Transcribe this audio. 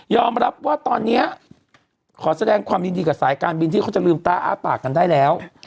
รับว่าตอนนี้ขอแสดงความยินดีกับสายการบินที่เขาจะลืมตาอ้าปากกันได้แล้ว